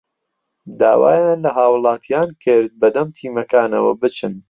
داوایان لە هاوڵاتیان کرد بەدەم تیمەکانەوە بچن